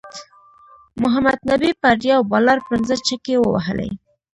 محمد نبی پر یو بالر پنځه چکی ووهلی